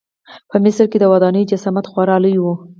په مصر کې د ودانیو جسامت خورا لوی و.